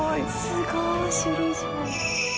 すごい！